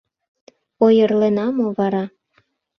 Ойырлена мо вара?